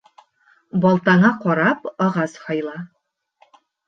Балтаңа ҡарап ағас һайла.